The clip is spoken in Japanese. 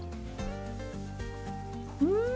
うん！